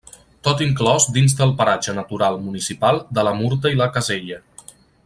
Tot inclòs dins del Paratge Natural Municipal de la Murta i la Casella.